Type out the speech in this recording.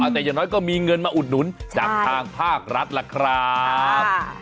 แต่อย่างน้อยก็มีเงินมาอุดหนุนจากทางภาครัฐล่ะครับ